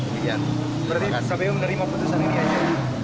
berarti kpu menerima putusan ini aja